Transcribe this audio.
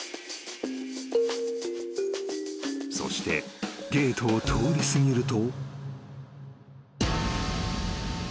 ［そしてゲートを通り過ぎると］